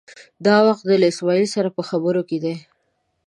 دا وخت دی له اسمعیل سره په خبرو دی.